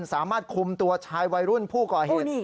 สามารถคุมตัวชายวัยรุ่นผู้ก่อเหตุ